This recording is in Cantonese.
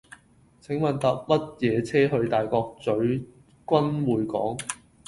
請問搭乜嘢車去大角嘴君匯港